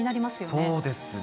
そうですね。